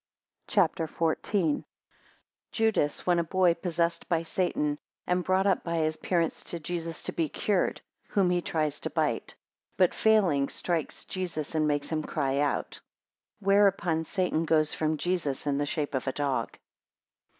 CHAPTER XIV. 1 Judas when a boy possessed by Satan, and brought up by his parents to Jesus to be cured, whom he tries to bite, 7 but failing, strikes Jesus and makes him cry out. Whereupon Satan goes from Jesus in the shape of a dog.